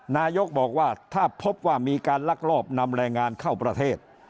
นายกบอกว่าถ้าพบว่ามีการลักลอบนำแรงงานเข้าประเทศ